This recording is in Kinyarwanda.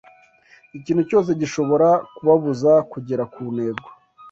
ikintu cyose gishobora kubabuza kugera ku ntego